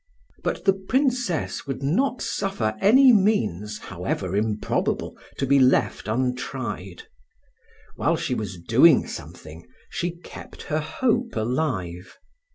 But the Princess would not suffer any means, however improbable, to be left untried. While she was doing something, she kept her hope alive.